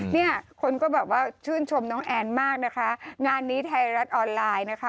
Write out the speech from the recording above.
เนี่ยคนก็แบบว่าชื่นชมน้องแอนมากนะคะงานนี้ไทยรัฐออนไลน์นะคะ